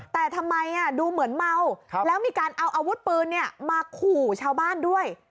แต่ทำไมดูเหมือนเมาแล้วมีการเอาอาวุธปืนมาขู่ชาวบ้านด้วย